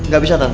gak bisa tante